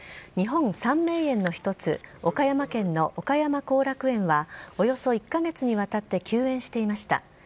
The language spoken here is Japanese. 日本三名園の一つ、岡山県の岡山後楽園は、およそ１か月にわたって休園していました。